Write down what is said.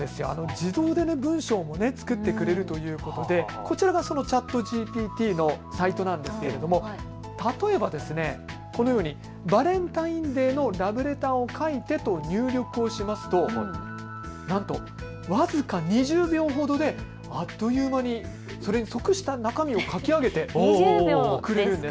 自動で文章を作ってくれるということでこちらがそのＣｈａｔＧＰＴのサイトなんですけども例えばこのようにバレンタインデーのラブレターを書いてと入力をしますとなんと僅か２０秒ほどであっという間にそれに即した中身を書き上げてくれるんです。